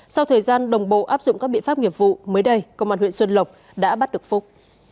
sau thời gian đồng bộ áp dụng các biện pháp nghiệp vụ mới đây công an huyện xuân lộc đã bắt được phúc